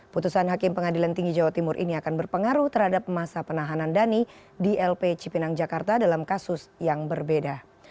putusan hakim pengadilan tinggi jawa timur ini akan berpengaruh terhadap masa penahanan dhani di lp cipinang jakarta dalam kasus yang berbeda